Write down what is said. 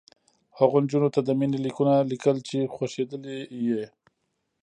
هغو نجونو ته د مینې لیکونه لیکل چې خوښېدلې یې